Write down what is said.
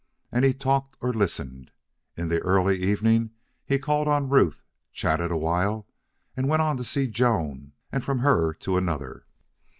And he talked or listened. In the early evening he called on Ruth, chatted awhile, and went on to see Joan, and from her to another.